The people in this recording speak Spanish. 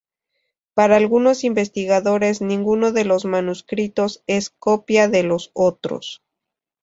Para algunos investigadores, ninguno de los manuscritos es copia de los otros.